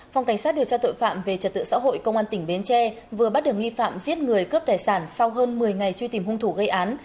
phòng cảnh sát điều tra tội phạm về trật tự xã hội công an tỉnh bến tre vừa bắt được nghi phạm giết người cướp tài sản sau hơn một mươi ngày truy tìm hung thủ gây án